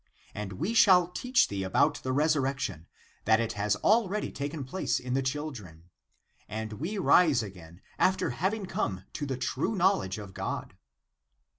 And we shall teach thee about the resur rection, that it has already taken place in the chil dren 22 [and w^e rise again, after having come to the true knowledge of God]."